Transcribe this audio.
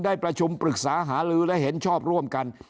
ได้ประชุมปรึกษาหาลือและเห็นชอบร่วมกัน